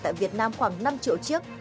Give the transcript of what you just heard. tại việt nam khoảng năm triệu chiếc